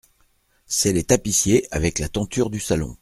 C’est les tapissiers avec la tenture du salon.